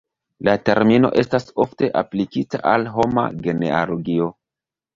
La termino estas ofte aplikita al homa genealogio.